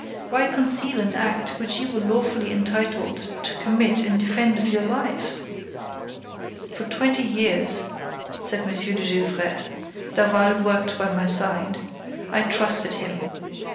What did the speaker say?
Why conceal an act which you were lawfully entitled to commit in defense of your life?" "For twenty years," said M. de Gesvres, "Daval worked by my side. I trusted him.